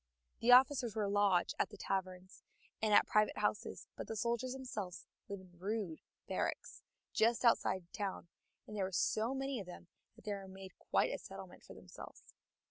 The officers were lodged at the taverns and at private houses, but the soldiers themselves lived in rude barracks just outside the town, and there were so many of them that they made quite a settlement for themselves.